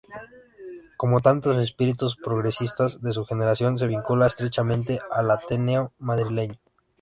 Como tantos espíritus progresistas de su generación, se vincula estrechamente al Ateneo madrileño.